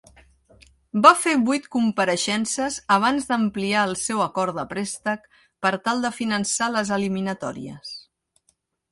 Va fer vuit compareixences abans d'ampliar el seu acord de préstec per tal de finançar les eliminatòries.